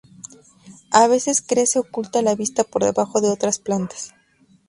A veces crece oculta a la vista por debajo de otras plantas.